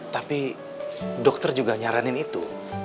tapi dokter juga nyaranin itu